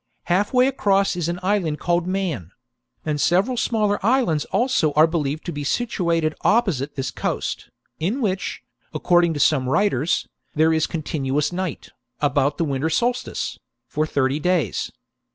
Half way across is an island called Man ; and several smaller islands also are believed to be situated opposite this coast, in which, according to some writers, there is continuous night, about the winter solstice, for thirty days.